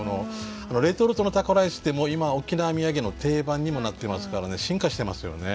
レトルトのタコライスってもう今は沖縄土産の定番にもなってますからね進化してますよね。